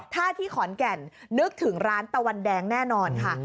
ถ้าที่ขอนแก่นนึกถึงร้านตะวันแดงแน่นอนค่ะ